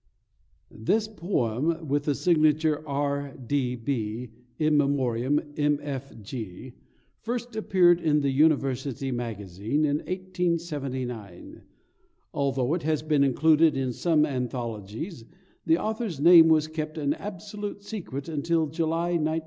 This poem, with the signature "R. D. B. in memoriam M. F. G." first appeared in the University Magazine in 1879. Although it has been included in some anthologies, the author's name was kept an absolute secret until July, 1909.